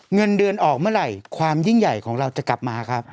เงินเดือนออกเมื่อไหร่ความยิ่งใหญ่ของเราจะกลับมาครับ